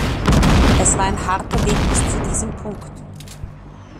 Es war ein harter Weg bis zu diesem Punkt.